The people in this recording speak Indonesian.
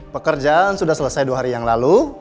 pekerjaan sudah selesai dua hari yang lalu